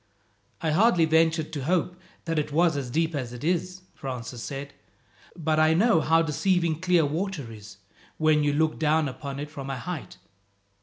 "I hardly ventured to hope that it was as deep as it is," Francis said, "but I know how deceiving clear water is, when you look down upon it from a height.